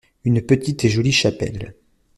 Une petite et jolie chapelle.